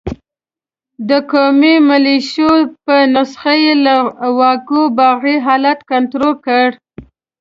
د قومي ملېشو په نسخه یې له واګو باغي حالت کنترول کړ.